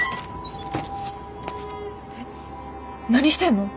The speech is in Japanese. え何してんの？